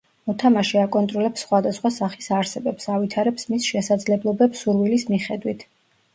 მოთამაშე აკონტროლებს სხვადასხვა სახის არსებებს, ავითარებს მის შესაძლებლობებს სურვილის მიხედვით.